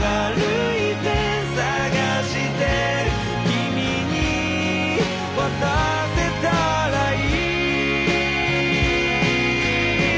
「君に渡せたらいい」